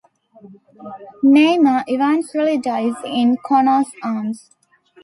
Neyman eventually dies in Connor's arms.